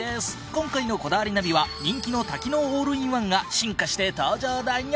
今回の『こだわりナビ』は人気の多機能オールインワンが進化して登場だよ！